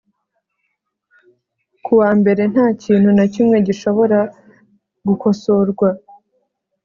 ku wa mbere nta kintu na kimwe gishobora gukosorwa